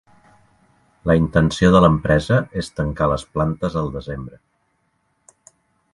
La intenció de l’empresa és tancar les plantes al desembre.